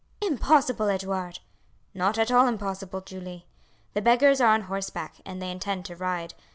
"Impossible, Edouard!" "Not at all impossible, Julie. The beggars are on horseback, and they intend to ride.